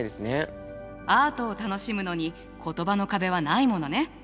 アートを楽しむのに言葉の壁はないものね。